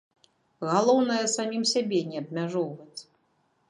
Галоўнае самім сябе не абмяжоўваць.